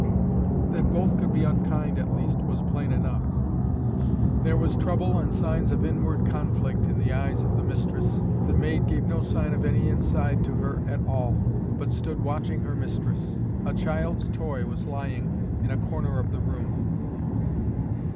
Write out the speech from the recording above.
That both could be unkind at least, was plain enough. There was trouble and signs of inward conflict in the eyes of the mistress. The maid gave no sign of any inside to her at all, but stood watching her mistress. A child's toy was lying in a corner of the room."